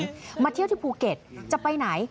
กับผู้หญิงมาเที่ยวที่ภูเก็ตจะไปไหน